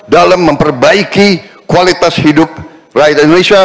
dalam memperbaiki kualitas hidup rakyat indonesia